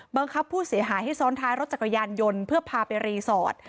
ผู้เสียหายให้ซ้อนท้ายรถจักรยานยนต์เพื่อพาไปรีสอร์ท